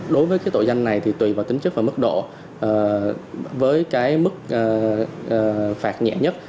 đối với tội danh này tùy vào tính chức và mức độ với mức phạt nhẹ nhất